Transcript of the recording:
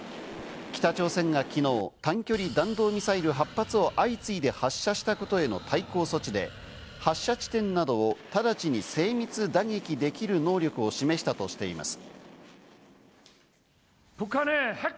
北朝鮮が昨日、短距離弾道ミサイル８発を相次いで発射したことへの対抗措置で、発射地点などを直ちに精密打撃できる能力を示したとしています。